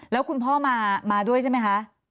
แล้วคุณพ่อมาด้วยใช่ไหมคะ